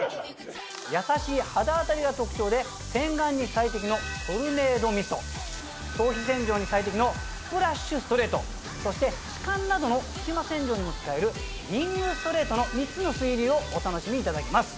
やさしい肌当たりが特徴で洗顔に最適のトルネードミスト頭皮洗浄に最適のスプラッシュストレートそして歯間などの隙間洗浄にも使えるリングストレートの３つの水流をお楽しみいただけます。